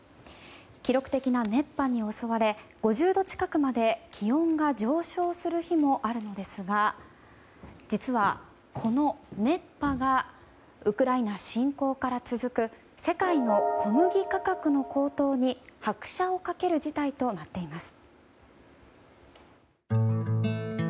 記録的な熱波に襲われ５０度近くまで気温が上昇する日もあるんですが実は、この熱波がウクライナ侵攻から続く世界の小麦価格の高騰に拍車をかける事態となっています。